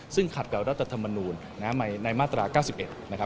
ซึ่งขัดกับรัฐธรรมนูลในมาตรา๙๑นะครับ